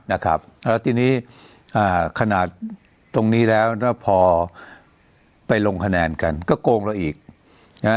นะครับแล้วทีนี้อ่าขนาดตรงนี้แล้วนะพอไปลงคะแนนกันก็โกงเราอีกนะฮะ